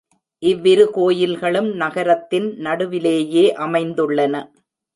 இவ்விரு கோயில்களும் நகரத்தின் நடுவிலேயே அமைந்துள்ளன.